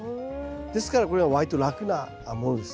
ですからこれは割と楽なものですね。